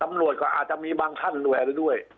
ตำรวจก็อาจจะมีบางท่านดูแลไปด้วย